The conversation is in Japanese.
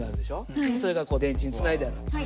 それが電池につないである。